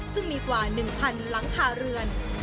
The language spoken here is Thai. ซึ่งมีกว่า๑๐๐๐หลังคาเรือน